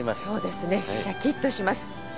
そうですねしゃきっとします。